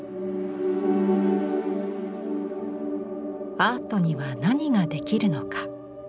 アートには何ができるのか？